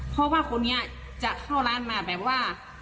เพราะว่าคนนี้จะเข้าร้านมาแบบว่า